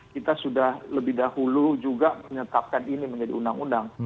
kita sudah lebih dahulu juga menetapkan ini menjadi undang undang